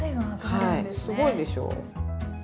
はいすごいでしょ。